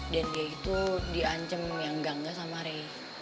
dan dia itu diancem yang gangga sama ray